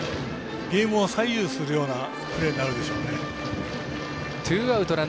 ゲームを左右するようなプレーになるでしょうね。